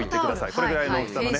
これぐらいの大きさのね。